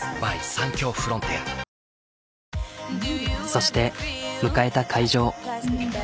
そして迎えた開場。